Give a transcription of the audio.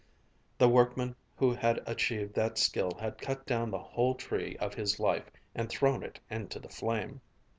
The workman who had achieved that skill had cut down the whole tree of his life and thrown it into the flame.